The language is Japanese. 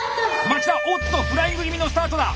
町田おっとフライング気味のスタートだ！